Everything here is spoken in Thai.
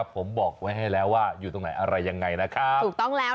ผมบอกไว้ให้แล้วว่าอยู่ตรงไหนอะไรยังไงนะครับ